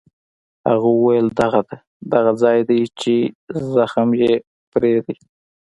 هغه وویل: دغه ده، دغه ځای دی چې زخم یې پرې دی.